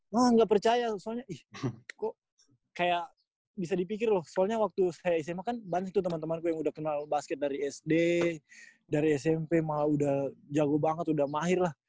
mah nggak percaya soalnya ih kok kayak bisa dipikir loh soalnya waktu saya sma kan banyak tuh teman temanku yang udah kenal basket dari sd dari smp malah udah jago banget udah mahir lah